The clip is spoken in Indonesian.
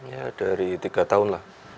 ya dari tiga tahun lah